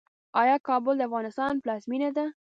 آیا کابل د افغانستان پلازمینه ده؟